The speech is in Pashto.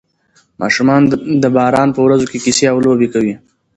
ماشومان د باران په ورځو کې کیسې او لوبې کوي.